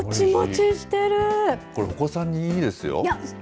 これ、お子さんにいいですよ。